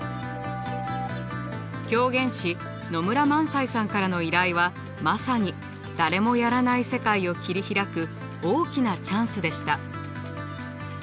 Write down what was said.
狂言師野村萬斎さんからの依頼はまさに誰もやらない世界を切り開く大きなチャンスでした。